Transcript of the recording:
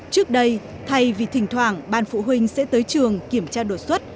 trước đây thay vì thỉnh thoảng ban phụ huynh sẽ tới trường kiểm tra đột xuất